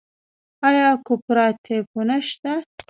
آیا کوپراتیفونه شته؟